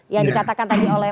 yang dikatakan tadi oleh